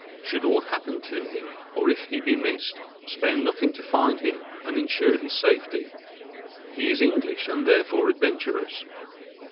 Should aught happen to him, or if he be missed, spare nothing to find him and ensure his safety. He is English and therefore adventurous.